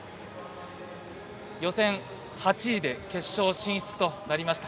予選８位で決勝進出となりました。